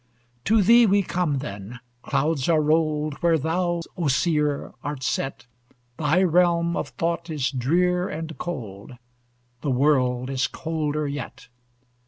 To thee we come, then! Clouds are rolled Where thou, O seer! art set; Thy realm of thought is drear and cold The world is colder yet!